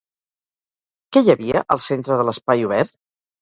Què hi havia al centre de l'espai obert?